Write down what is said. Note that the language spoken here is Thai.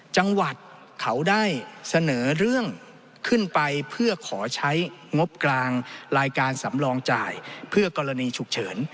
จังหวัดเขาได้เสนอเรื่องขึ้นไปเพื่อขอใช้งบกลางรายการสำรองจ่ายเพื่อกรณีฉุกเฉิน